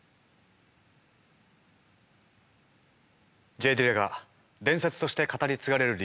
Ｊ・ディラが伝説として語り継がれる理由。